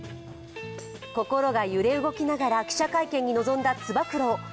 心が揺れ動きながら記者会見に臨んだつば九郎。